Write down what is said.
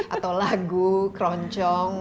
atau lagu keroncong